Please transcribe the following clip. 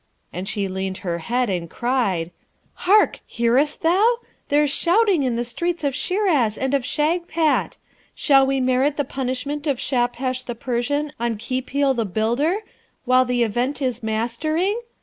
And she leaned her head, and cried, 'Hark! hear'st thou? there's shouting in the streets of Shiraz and of Shagpat! Shall we merit the punishment of Shahpesh the Persian on Khipil the builder, while the Event is mastering?